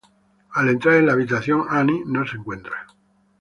Al entrar en la habitación, Annie no se encuentra.